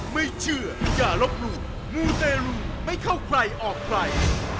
ไม่เชื่ออย่าลบหลู่มูเตรลูไม่เข้าใครออกใคร